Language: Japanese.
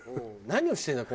何をしてるんだ